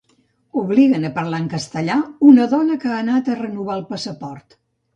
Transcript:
Obliguen a parlar en castellà una dona que ha anat a renovar el passaport.